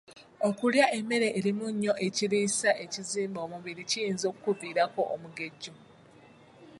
Okulya emmere erimu ennyo ekiriisa ekizimba omubiri kiyinza okkuviirako omugejjo.